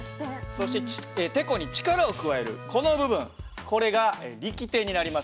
そしててこに力を加えるこの部分これが力点になります。